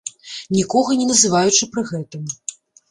Нікога не называючы пры гэтым.